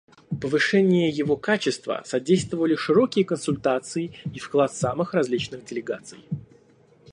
Повышению его качества содействовали широкие консультации и вклад самых различных делегаций.